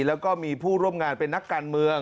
แล้วก็มีผู้ร่วมงานเป็นนักการเมือง